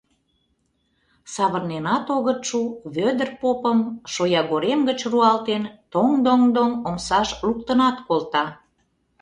Савырненат огыт шу, Вӧдыр попым, шоягорем гыч руалтен, тоҥ-доҥ-доҥ омсаш луктынат колта.